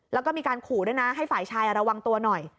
แล้วก็มีการขู่ด้วยนะให้ฝ่ายชายระวังตัวหน่อย